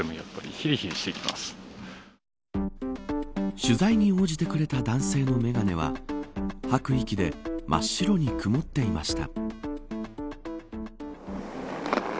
取材に応じてくれた男性の眼鏡ははく息で真っ白に曇っていました。